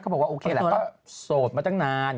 เขาบอกว่าโอเคไปโสดมาตั้งนาน